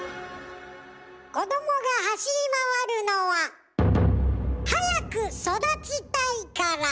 子どもが走り回るのは早く育ちたいから。